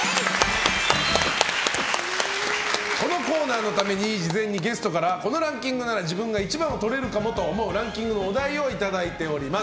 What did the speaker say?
このコーナーのために事前にゲストからこのランキングなら自分が１番をとれるかもと思うランキングのお題をいただいております。